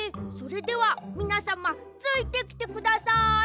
それではみなさまついてきてください！